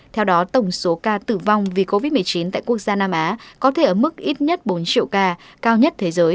theo đó tổng số ca tử vong vì covid một mươi chín tại quốc gia nam á có thể ở mức ít nhất bốn triệu ca